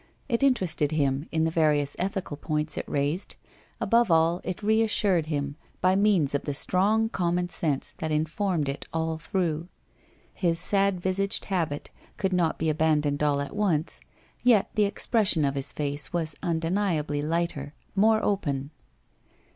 It interested him in the various ethical points it raised, above all it reas sured him, by means of the strong commonsense that in formed it all through. His sad visaged habit could not be abandoned all at once, yet the expression of his face was undeniably lighter, more open.